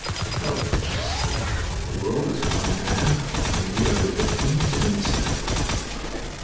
To hell with all this filth! The world has gone mad and we are the victims of insanity."